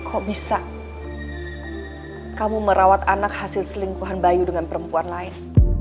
kok bisa kamu merawat anak hasil selingkuhan bayu dengan perempuan lain